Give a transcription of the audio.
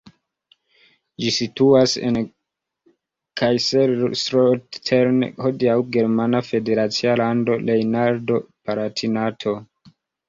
Ĝi situas en Kaiserslautern, hodiaŭ germana federacia lando Rejnlando-Palatinato.